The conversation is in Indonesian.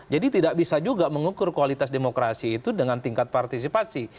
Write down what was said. jadi tidak bisa juga mengukur kualitas demokrasi itu dengan tingkat partisipasi